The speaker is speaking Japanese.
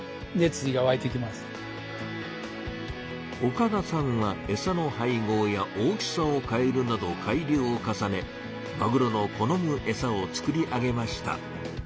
岡田さんはエサの配合や大きさを変えるなど改良を重ねマグロの好むエサを作り上げました。